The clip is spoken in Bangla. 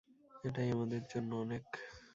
এটাই আমার জন্য অনেক।